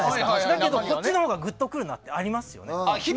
だけど、こっちのほうがグッとくるなってありますよね。